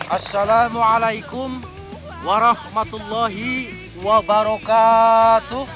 assalamualaikum warahmatullahi wabarakatuh